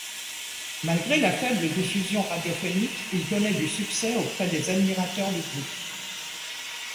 Malgré la faible diffusion radiophonique, il connaît du succès auprès des admirateurs du groupe.